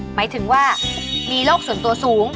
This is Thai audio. หมายถึงว่ามีโรคส่วนตัวสูง